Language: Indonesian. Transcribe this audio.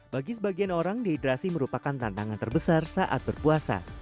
bagi sebagian orang dehidrasi merupakan tantangan terbesar saat berpuasa